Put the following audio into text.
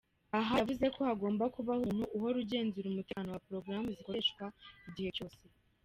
Aha yavuze ko hagomba kubaho umuntu uhora agenzura umutekano wa porogaramu zikoreshwa igihe cyose.